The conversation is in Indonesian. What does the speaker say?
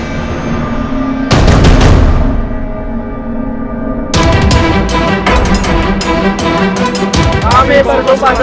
kami bersumpah setia kepada amran adek